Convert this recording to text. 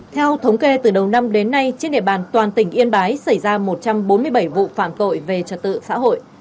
theo thống kê từ đầu năm đến nay trên địa bàn toàn tỉnh yên bái xảy ra một trăm bốn mươi bảy vụ phạm tội về trật tự xã hội